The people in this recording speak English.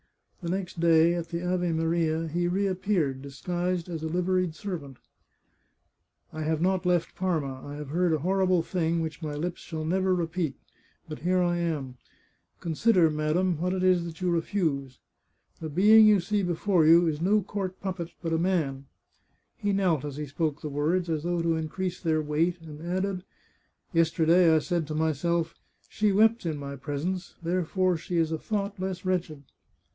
The next day, at the Ave Maria, he reappeared, disguised as a liveried servant. " I have not left Parma. I have heard a horrible thing which my lips shall never repeat — ^but here I am. Consider, madam, what it is that you refuse ! The being you see be fore you is no court puppet, but a man," He knelt as he spoke the words, as though to increase their weight, and added :" Yesterday I said to myself, * She wept in my pres ence, therefore she is a thought less wretched